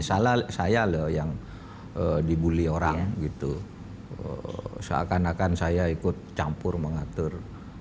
salah saya loh yang dibully orang gitu seakan akan saya ikut campur mengatur